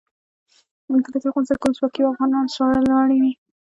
کله چې افغانستان کې ولسواکي وي افغانان سرلوړي وي.